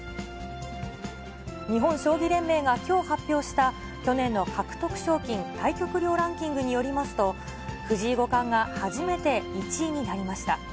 日本将棋連盟がきょう発表した、去年の獲得賞金・対局料ランキングによりますと、藤井五冠が初めて１位になりました。